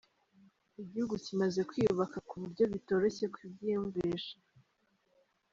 Igihugu kimaze kwiyubaka, ku buryo bitororshye kubyiyumvisha.